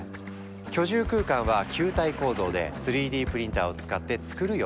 居住空間は球体構造で３Ｄプリンターを使ってつくる予定とか。